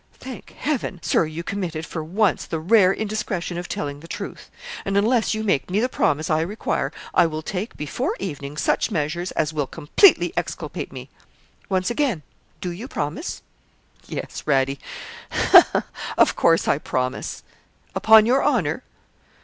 Thank Heaven! Sir, you committed for once the rare indiscretion of telling the truth; and unless you make me the promise I require, I will take, before evening, such measures as will completely exculpate me. Once again, do you promise?' 'Yes, Radie; ha, ha! of course I promise.' 'Upon your honour?'